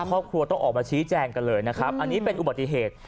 ครอบครัวต้องออกมาชี้แจงกันเลยนะครับอันนี้เป็นอุบัติเหตุ